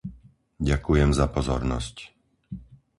Ďakujem za pozornosť.